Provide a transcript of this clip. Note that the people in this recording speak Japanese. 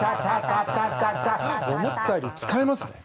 思ったより疲れますね。